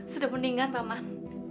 sudah meningat paman